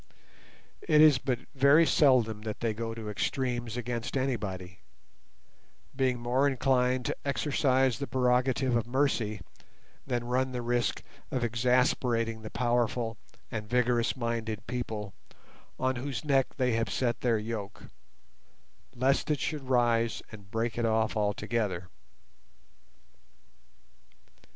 It is but very seldom that they go to extremes against anybody, being more inclined to exercise the prerogative of mercy than run the risk of exasperating the powerful and vigorous minded people on whose neck they have set their yoke, lest it should rise and break it off altogether.